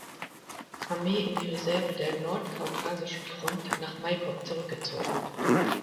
Armee in die Reserve der Nordkaukasischen Front nach Maikop zurückgezogen.